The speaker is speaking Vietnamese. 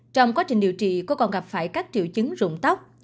trong quá trình điều trị cô còn gặp phải các triệu chứng rụng tóc